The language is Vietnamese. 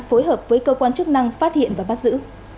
phối hợp với cơ quan chức năng phát hiện và bắt giữ